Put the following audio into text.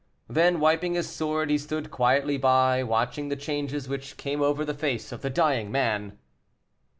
Then, wiping his sword, he stood quietly by, watching the changes which came over the face of the dying man.